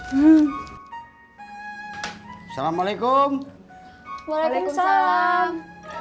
hai hmm assalamualaikum waalaikumsalam